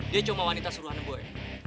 dia cuma wanita suruhanan boy